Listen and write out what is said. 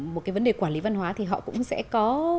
một cái vấn đề quản lý văn hóa thì họ cũng sẽ có